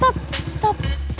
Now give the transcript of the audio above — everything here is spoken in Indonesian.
sampai dimana tadi